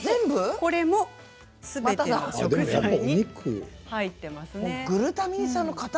これもすべての食材に。